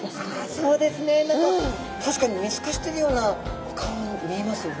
そうですね何か確かに見透かしてるようなお顔に見えますよね。